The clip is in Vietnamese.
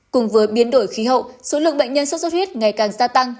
cùng với biến đổi khí hậu số lượng bệnh nhân sốt xuất huyết ngày càng gia tăng